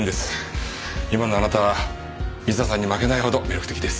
今のあなたは美沙さんに負けないほど魅力的です。